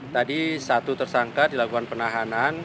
tadi satu tersangka dilakukan penahanan